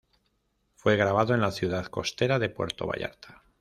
Fue grabado en la ciudad costera de Puerto Vallarta.